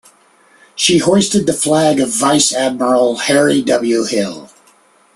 She hoisted the flag of Vice Admiral Harry W. Hill.